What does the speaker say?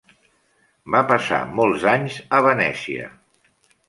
Va passar molts anys a Venècia.